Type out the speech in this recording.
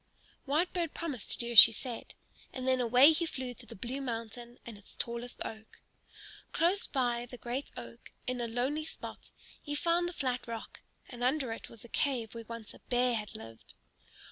Whitebird promised to do as she said. And then away he flew to the blue mountain and its tallest oak. Close by the great oak, in a lonely spot, he found the flat rock, and under it was the cave where once a bear had lived.